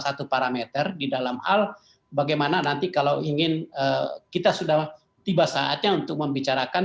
satu parameter di dalam hal bagaimana nanti kalau ingin kita sudah tiba saatnya untuk membicarakan